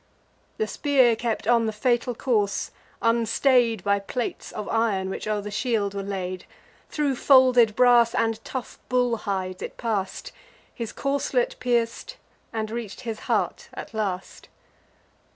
The spear kept on the fatal course, unstay'd By plates of ir'n, which o'er the shield were laid: Thro' folded brass and tough bull hides it pass'd, His corslet pierc'd, and reach'd his heart at last.